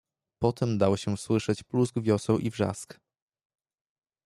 "Potem dał się słyszeć plusk wioseł i wrzask."